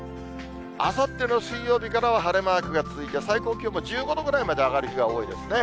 あさっての水曜日からは晴れマークが続いて、最高気温も１５度くらいまで上がる日が多いですね。